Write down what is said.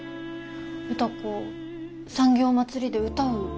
歌子産業まつりで歌う？